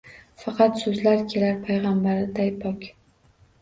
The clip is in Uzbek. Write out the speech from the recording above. Faqat soʻzlar kelar paygʻambarday pok.